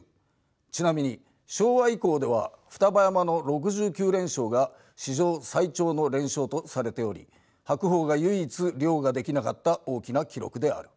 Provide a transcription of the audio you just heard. ちなみに昭和以降では双葉山の６９連勝が史上最長の連勝とされており白鵬が唯一凌駕できなかった大きな記録である。